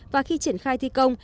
và khi triển khai thi công